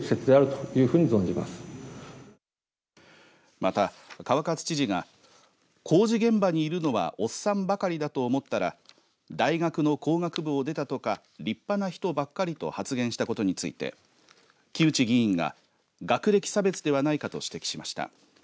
また、川勝知事が工事現場にいるのはおっさんばかりだと思ったら大学の工学部を出たとか立派な人ばっかりと発言したことについて木内議員が学歴差別ではないかと指摘しました。